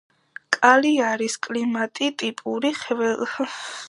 კალიარის კლიმატი ტიპური ხმელთაშუაზღვიურია, ძალიან ცხელი ზაფხულით.